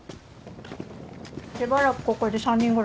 しばらくここで３人暮らし？